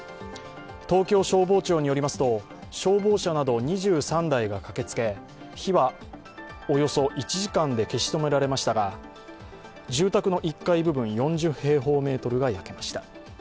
東京消防庁によりますと消防車など２３台が駆けつけ火はおよそ１時間で消し止められましたが住宅の１階部分４０平方メートルが焼けました。